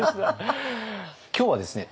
今日はですね